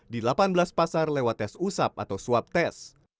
di delapan belas pasar lewat tes usap atau swab test